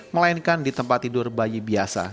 melainkan di tempat tidur bayi biasa